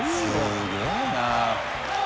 すごいな。